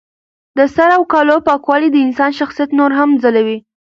د سر او کالو پاکوالی د انسان شخصیت نور هم ځلوي.